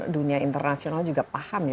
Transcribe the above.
dunia internasional juga paham ya